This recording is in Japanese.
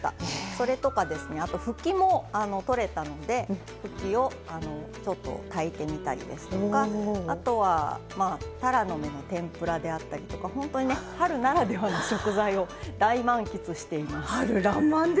それとか、ふきも取れたのでふきを炊いてみたりあとは、タラの芽の天ぷらであったりとか本当に春ならではの食材を大満喫しています。